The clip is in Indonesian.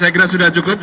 oke saya kira sudah cukup